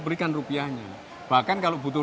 berikan rupiahnya bahkan kalau butuh